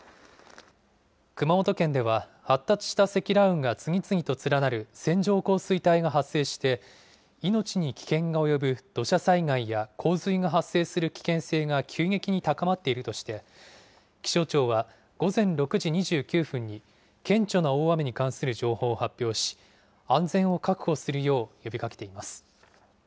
熊本県では発達した積乱雲が次々と連なる線状降水帯が発生して、命に危険が及ぶ土砂災害や洪水が発生する危険性が急激に高まっているとして、気象庁はごぜ６時２９分に、顕著な大雨に関する情報を発表し、安全を確保するよう呼びかけています。